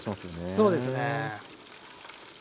そうですね。